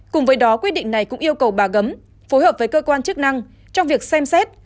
cùng với đó quyết định này cũng yêu cầu bà gấm phối hợp với cơ quan chức năng trong việc xem xét